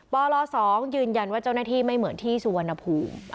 ปล๒ยืนยันว่าเจ้าหน้าที่ไม่เหมือนที่สุวรรณภูมิ